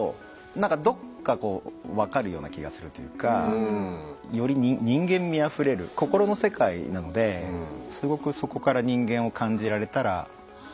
なんかどっかこう分かるような気がするというかより人間味あふれる心の世界なのですごくそこから人間を感じられたらいいかなと思って。